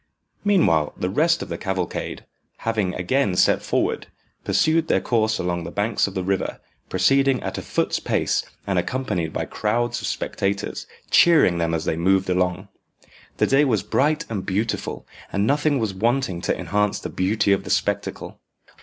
Meanwhile the rest of the cavalcade, having again set for ward, pursued their course along the banks of the river, proceeding at a foot's pace, and accompanied by crowds of spectators, cheering them as they moved along. The day was bright and beautiful, and nothing was wanting to enhance the beauty of the spectacle.